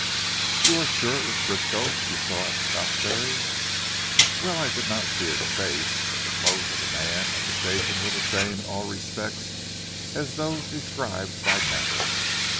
"You are sure it was Frisco you saw at Southberry?" "Well I did not see his face. But the clothes of the man at the station were the same in all respects as those described by Napper."